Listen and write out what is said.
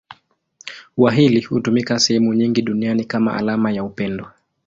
Ua hili hutumika sehemu nyingi duniani kama alama ya upendo.